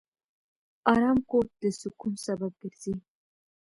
آرام کور د سکون سبب ګرځي.